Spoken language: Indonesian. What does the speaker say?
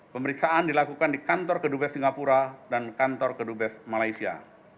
pemeriksaan dilakukan di kantor kedubes singapura dan kantor kedubes malaysia